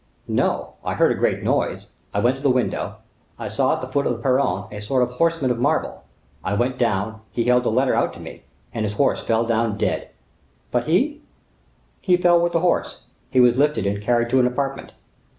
"No; I heard a great noise; I went to the window; I saw at the foot of the perron a sort of horseman of marble; I went down, he held the letter out to me, and his horse fell down dead." "But he?" "He fell with the horse; he was lifted, and carried to an apartment.